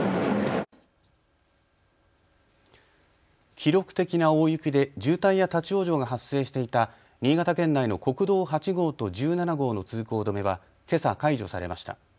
記録的な大雪で渋滞や立往生が発生していた新潟県内の国道８号と１７号の通行止めはけさ解除されました。